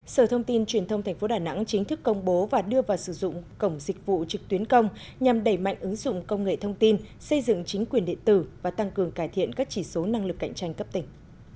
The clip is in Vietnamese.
sở thông tin truyền thông tp đà nẵng chính thức công bố và đưa vào sử dụng cổng dịch vụ trực tuyến công nhằm đẩy mạnh ứng dụng công nghệ thông tin xây dựng chính quyền điện tử và tăng cường cải thiện các chỉ số năng lực cạnh tranh cấp tỉnh